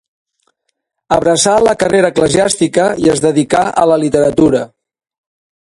Abraçà la carrera eclesiàstica i es dedicà a la literatura.